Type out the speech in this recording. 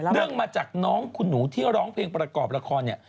เรื่องมาจากน้องคุณหนูที่ร้องเพลงประกอบละครเนี่ย